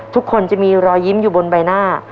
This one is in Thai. ทุกคนจะมีรอยยิ้มอยู่บนใบหน้า